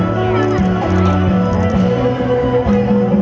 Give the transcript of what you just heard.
สวัสดี